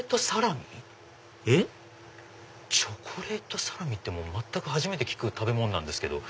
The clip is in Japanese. チョコレートサラミって初めて聞く食べ物なんですけど。